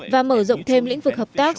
và mở rộng thêm lĩnh vực hợp tác